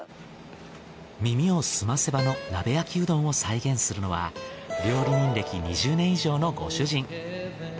『耳をすませば』の鍋焼きうどんを再現するのは料理人歴２０年以上のご主人。